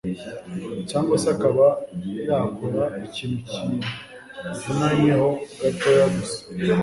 cyangwa se akaba yakora ikintu kivunaye ho gatoya gusa